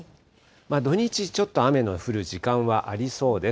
土日、ちょっと雨の降る時間はありそうです。